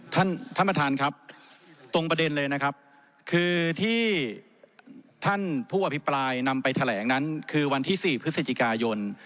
ท่านประธานครับตรงประเด็นเลยนะครับคือที่ท่านผู้อภิปรายนำไปแถลงนั้นคือวันที่๔พฤศจิกายน